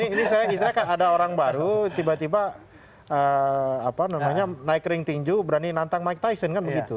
ini saya ada orang baru tiba tiba naik ring tinju berani nantang mike tyson kan begitu